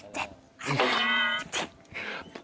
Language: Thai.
ก็คิดว่า